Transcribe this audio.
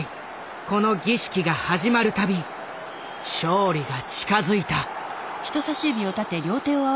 この儀式が始まるたび勝利が近づいた。